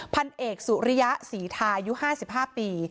พันเอกสุริยะศรีทายุ๕๕ปี